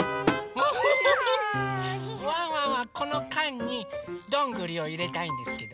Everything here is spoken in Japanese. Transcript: ワンワンはこのかんにどんぐりをいれたいんですけど。